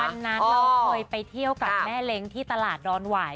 วันนั้นเราเคยไปเที่ยวกับแม่เล้งที่ตลาดดอนหวาย